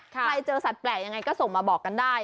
ใครเจอสัตว์แปลกยังไงก็ส่งมาบอกกันได้